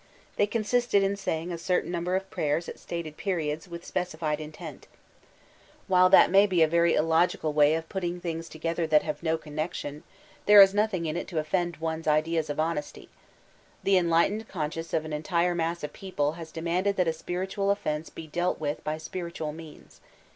They consisted in saying a certain number of prayers at stated periods, with specified intent While that may be a very illogical way of putting things together that have no connection, there is nothing in it to offend one's ideas of honesty* The enlightened conscience of an entire mass of people has demanded that a spiritual offense be dealt with by spir itual means.